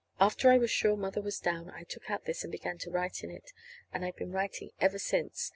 After I was sure Mother was down, I took out this, and began to write in it. And I've been writing ever since.